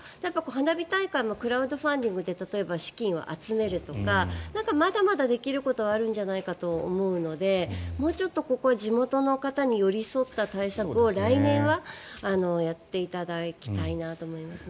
花火大会もクラウドファンディングで例えば、資金を集めるとかまだまだできることはあるんじゃないかと思うのでもうちょっとここは地元の方に寄り添った対策を来年はやっていただきたいなと思いますね。